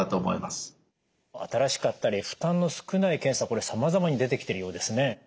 新しかったり負担の少ない検査これさまざまに出てきてるようですね。